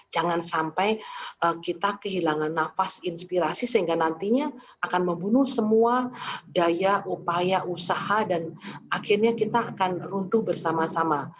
jangan sampai kita kehilangan nafas inspirasi sehingga nantinya akan membunuh semua daya upaya usaha dan akhirnya kita akan runtuh bersama sama